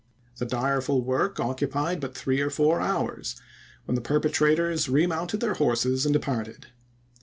The direful work occupied but three or four hours, when the perpetrators re mounted their horses and departed.